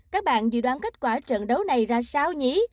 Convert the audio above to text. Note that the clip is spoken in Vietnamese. các bạn dự đoán kết quả trận đấu này ra sao nhí